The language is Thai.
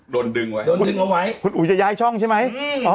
โดนดึงไว้โดนดึงเอาไว้คุณอู๋อยายายช่องใช่ไหมอือออเห้ย